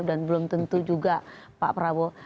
dan belum tentu juga pak prabowo